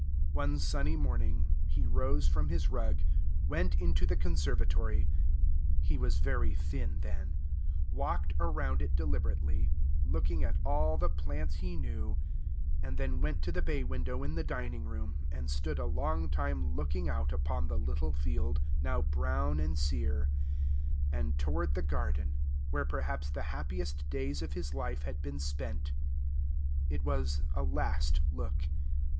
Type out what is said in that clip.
One sunny morning, he rose from his rug, went into the conservatory (he was very thin then), walked around it deliberately, looking at all the plants he knew, and then went to the bay window in the dining room, and stood a long time looking out upon the little field, now brown and sere, and toward the garden, where perhaps the happiest hours of his life had been spent. It was a last look.